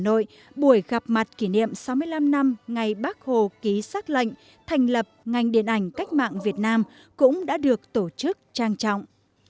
hà nội buổi gặp mặt kỷ niệm sáu mươi năm năm ngày bác hồ ký xác lệnh thành lập ngành điện ảnh cách mạng việt nam cũng đã được tổ chức trang trọng